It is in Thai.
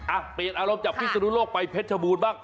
อ่ะเปลี่ยนอารมณ์จากพิศนุโลกไปเพชรชบูรณ์บ้าง